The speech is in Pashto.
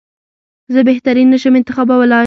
زه بهترین نه شم انتخابولای.